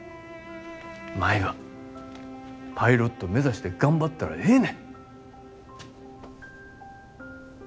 舞はパイロット目指して頑張ったらええね。